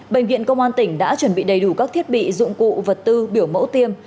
bệnh viện công an tỉnh đã chuẩn bị đầy đủ các thiết bị dụng cụ vật tư biểu mẫu tiêm